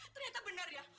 ternyata benar ya